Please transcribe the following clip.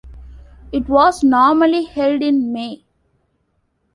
It was normally held in May.